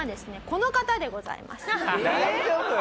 この方でございます。